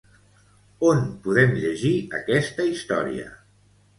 On podem llegir aquesta història?